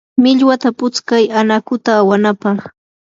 millwata putskaa anakuta awanapaq.